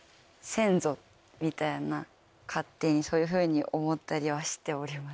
みたいな勝手にそういうふうに思ったりはしております。